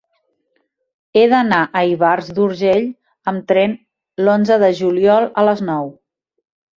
He d'anar a Ivars d'Urgell amb tren l'onze de juliol a les nou.